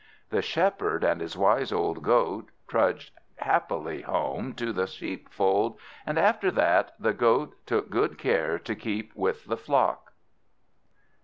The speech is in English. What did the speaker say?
The Shepherd and his wise old Goat trudged happily home to the sheepfold, and after that the Goat took good care to keep with the flock.